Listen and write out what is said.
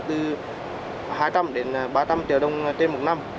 từ hai trăm linh đến ba trăm linh triệu đồng trên một năm